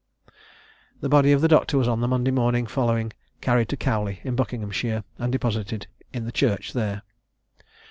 The body of the Doctor was on the Monday following carried to Cowley, in Buckinghamshire, and deposited in the church there.